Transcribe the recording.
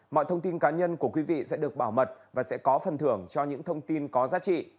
mọi thông tin cá nhân của quý vị sẽ được bảo mật và sẽ có phần thưởng cho những thông tin có giá trị